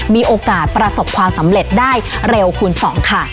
มีโอกาสประสบความสำเร็จได้เร็วคูณ๒ค่ะ